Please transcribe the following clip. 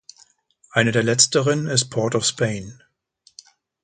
Eine der letzteren ist Port of Spain.